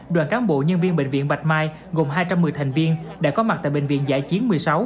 đoàn cán bộ nhân viên bệnh viện bạch mai gồm hai trăm một mươi thành viên đã có mặt tại bệnh viện giã chiến một mươi sáu